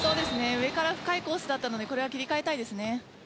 上から深いコースだったのでこれは切り替えたいですね。